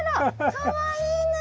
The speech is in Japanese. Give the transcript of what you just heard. かわいいね。